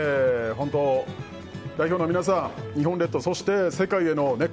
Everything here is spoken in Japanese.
代表の皆さん、日本列島そして世界への熱狂